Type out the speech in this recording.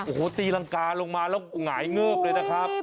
โอ้โหตีรังกาลงมาแล้วหงายเงิบเลยนะครับ